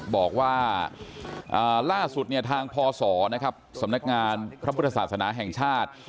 บอกว่าล่าสุดเนี่ยทางพศนะครับสำนักงานพระพุทธศาสนาแห่งชาติ